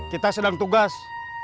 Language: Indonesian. kita sedang tugas